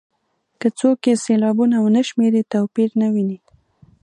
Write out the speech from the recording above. که څوک یې سېلابونه ونه شمېري توپیر نه ویني.